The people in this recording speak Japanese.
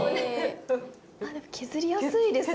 あっでも削りやすいですね。